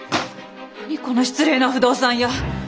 何この失礼な不動産屋！